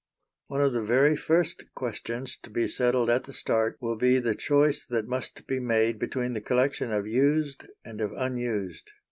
One of the very first questions to be settled at the start will be the choice that must be made between the collection of used and of unused.